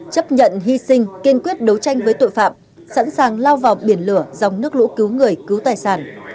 chấp nhận hy sinh kiên quyết đấu tranh với tội phạm sẵn sàng lao vào biển lửa dòng nước lũ cứu người cứu tài sản